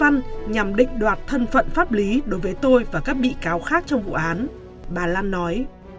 nhằm định đoạt thân phận pháp lý đối với tôi và các bị cáo khác trong vụ án bà lan nói